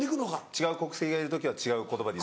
違う国籍がいる時は違う言葉で。